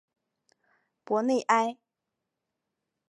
博内埃。